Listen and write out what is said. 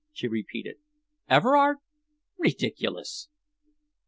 she repeated. "Everard? Ridiculous!"